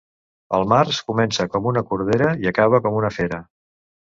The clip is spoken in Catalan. El març comença com una cordera i acaba com una fera.